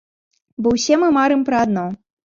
Бо ўсе мы марым пра адно.